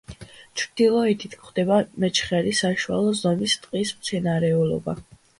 ჩრდილოეთით გვხვდება, მეჩხერი საშუალო ზომის ტყის მცენარეულობა.